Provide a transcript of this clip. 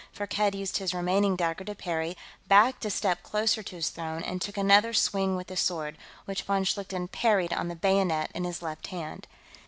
Firkked used his remaining dagger to parry, backed a step closer to his throne, and took another swing with his sword, which von Schlichten parried on the bayonet in his left hand.